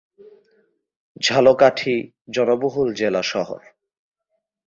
ঝালকাঠি জনবহুল জেলা শহর।